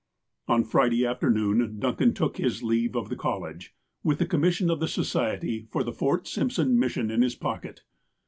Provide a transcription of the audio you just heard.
On Friday afternoon, Duncan took his leave of the col lege, with the commission of the Society for the Fort Simpson mission in his pocket.